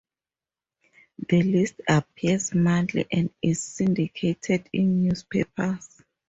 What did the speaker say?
The list appears monthly and is syndicated in newspapers.